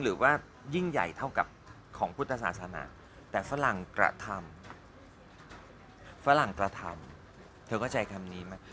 หรือว่ายิ่งใหญ่เท่ากับของพุทธศาสนาแต่ฝรั่งกระทำเธอเข้าใจคำนี้ไหม